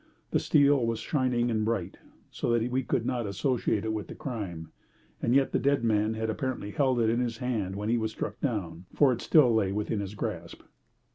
The steel was shining and bright, so that we could not associate it with the crime, and yet the dead man had apparently held it in his hand when he was struck down, for it still lay within his grasp.